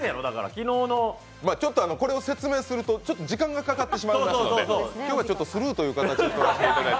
昨日のこれを説明すると時間がかかってしまいますので今日はちょっとスルーという形取らせていただいて。